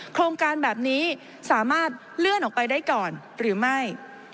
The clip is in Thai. โครงการแบบนี้สามารถเลื่อนออกไปได้ก่อนหรือไม่